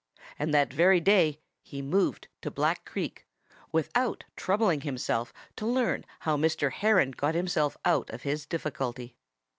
And that very day he moved to Black Creek, without troubling himself to learn how Mr. Heron got himself out of his difficulty.